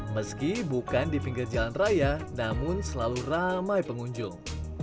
meski bukan di pinggir jalan raya namun selalu ramai pengunjung